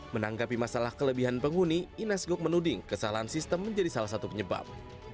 menanggapi masalah kelebihan penghuni inas gok menuding kesalahan sistem menjadi salah satu penyebab